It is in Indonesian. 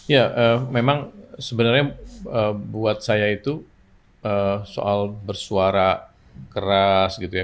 ya memang sebenarnya buat saya itu soal bersuara keras gitu ya